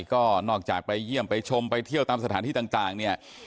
ก็นอกจากไปเยี่ยมไปชมไปเที่ยวตามสถานที่ต่างเนี่ย